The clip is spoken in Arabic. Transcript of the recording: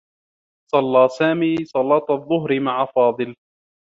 صلّى سامي صلاة الظّهر مع فاضل.